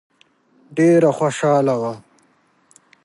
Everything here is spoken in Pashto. ډېره خوشاله وه.